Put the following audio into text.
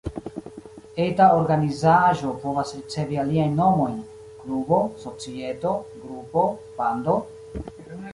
Eta organizaĵo povas ricevi aliajn nomojn: klubo, societo, grupo, bando.